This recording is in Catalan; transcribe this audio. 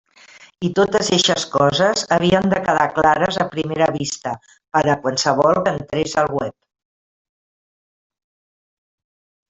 I totes eixes coses havien de quedar clares a primera vista per a qualsevol que entrés al web.